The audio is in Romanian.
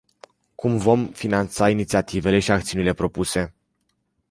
Cum vom finanța inițiativele și acțiunile propuse?